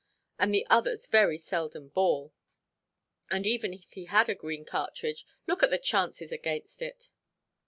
And the others very seldom ball. And even if he had a green cartridge, look at the chances against it.